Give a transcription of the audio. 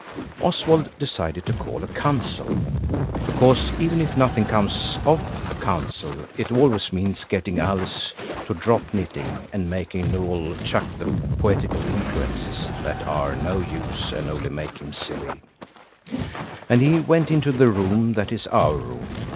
Oswald decided to call a council (because even if nothing comes of a council it always means getting Alice to drop knitting, and making Noël chuck the poetical influences, that are no use and only make him silly), and he went into the room that is our room.